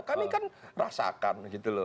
kami kan rasakan gitu loh